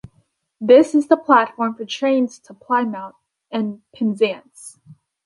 This is the platform for trains to Plymouth and Penzance.